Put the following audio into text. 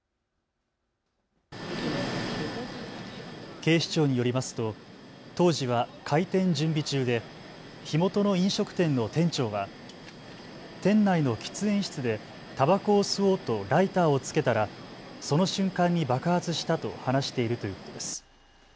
警視庁によりますと当時は開店準備中で火元の飲食店の店長は店内の喫煙室でたばこを吸おうとライターをつけたらその瞬間に爆発したと話しているということです。